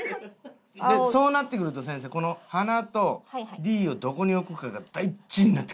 そうなってくると先生この花と「Ｄ」をどこに置くかが大事になってくるんよ。